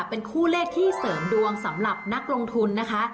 เป็นคู่เลขที่เสริมดวงสำหรับนักลงทุนนะคะ